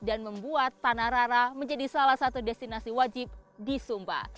dan membuat tanah rara menjadi salah satu destinasi wajib di sumba